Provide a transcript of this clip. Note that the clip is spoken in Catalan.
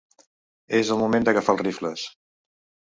És el moment d’agafar els rifles.